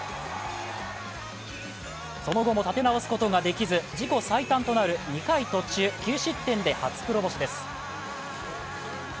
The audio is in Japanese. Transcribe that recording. その後も立て直すことができず自己最短となる２回途中９失点で初黒星です。